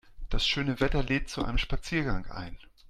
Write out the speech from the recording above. Das schöne Wetter lädt zu einem Spaziergang ein.